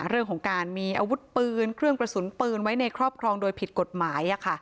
เรื่องของการมีอาวุธปืนเครื่องกระสุนปืนไว้ในครอบครองโดยผิดกฎหมาย